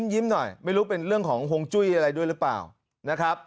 ยิ้มหน่อยไม่รู้เป็นเรื่องของฮวงจุ้ยอะไรด้วยหรือเปล่านะครับ